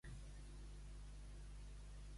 Aquesta té fil i veta fins a sa tarongeta.